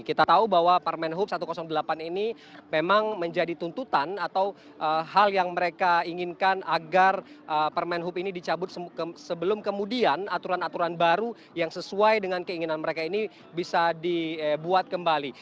kita tahu bahwa permen hub satu ratus delapan ini memang menjadi tuntutan atau hal yang mereka inginkan agar permen hub ini dicabut sebelum kemudian aturan aturan baru yang sesuai dengan keinginan mereka ini bisa dibuat kembali